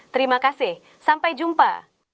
terima kasih sampai jumpa